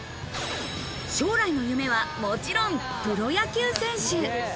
将来の夢はもちろんプロ野球選手。